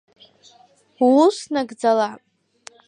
Уус нагӡала!